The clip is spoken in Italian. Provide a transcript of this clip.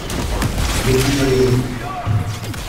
Begin Again